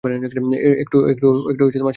একটু সাহায্য করো!